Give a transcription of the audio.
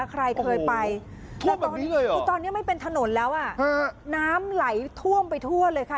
ใครเคยไปทั่วแบบนี้เลยเหรอตอนนี้ไม่เป็นถนนแล้วอ่ะน้ำไหลทั่วมไปทั่วเลยค่ะ